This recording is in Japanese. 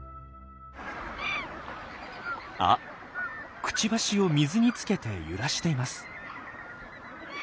あクチバシを水につけて揺らしています。